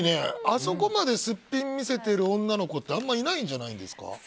あそこまですっぴん見せている女の子ってあまりいないんじゃないんですか。